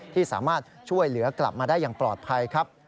ที่สามารถช่วยเหลือกลับมาได้อย่างปลอดภัยครับ